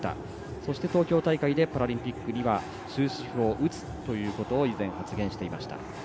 そして、東京大会でパラリンピックには終止符を打つということを以前、発言していました。